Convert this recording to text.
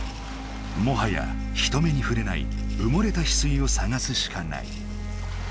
もはや人目にふれないうもれたヒスイを探すしかない。